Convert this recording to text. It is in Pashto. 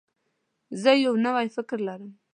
زه یو نوی فکر لرم.